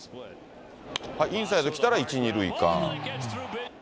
インサイド来たら１、２塁間。